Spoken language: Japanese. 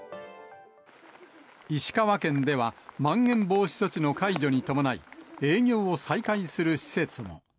石川県では、まん延防止措置の解除に伴い、営業を再開する施設も。